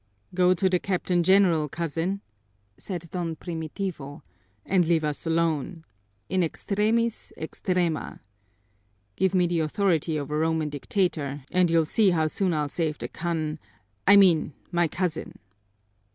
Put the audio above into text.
"Go to the Captain General, cousin," said Don Primitivo, "and leave us alone. In extremis extrema. Give me the authority of a Roman dictator, and you'll see how soon I'll save the coun I mean, my cousin."